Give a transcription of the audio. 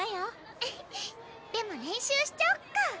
フフッでも練習しちゃおっか！